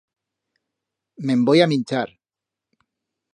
Me'n voi a minchar.